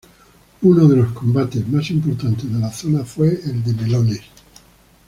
Uno de los combates más importantes de la zona fue el de Melones.